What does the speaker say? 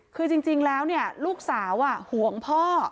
คือจริงแล้วลูกสาวห่วงพ่อ